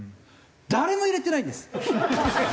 誰も入れてないんです。